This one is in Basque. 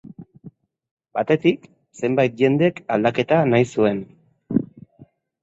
Batetik, zenbait jendek aldaketa nahi zuen.